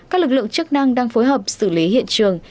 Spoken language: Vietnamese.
các lực lượng chức năng đang phối hợp xử lý hiện trường